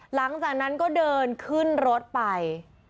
หลังจากนั้นก็เดินขึ้นรถไป